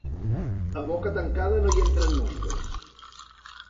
A boca tancada no hi entren mosques